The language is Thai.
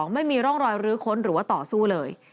ไม่มีร่องรอยลื้อค้นหรือว่าต่อสู้เลย